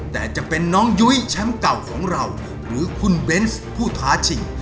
แต่จะเป็นน้องยุ้ยแชมป์เก่าของเราหรือคุณเบนส์ผู้ท้าชิง